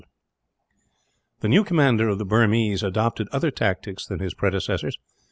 The new commander of the Burmese adopted other tactics than his predecessors.